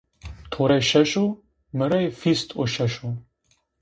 To rê şeş o mi rê vîst û şeş o.